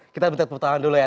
kita bentar peputangan dulu ya